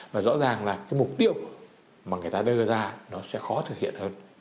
và rõ ràng là cái mục tiêu mà người ta đưa ra nó sẽ khó thực hiện hơn